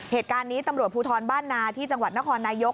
เหตุการณ์นี้ตำรวจภูทรบ้านนาที่จังหวัดนครนายก